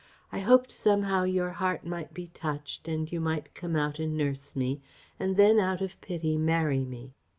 I hoped somehow your heart might be touched and you might come out and nurse me, and then out of pity marry me.